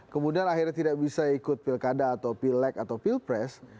kemudian akhirnya tidak bisa ikut pilkada atau pilek atau pilpres